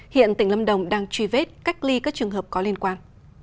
hiện tỉnh lâm đồng đang truy vết cách ly các trường hợp có liên quan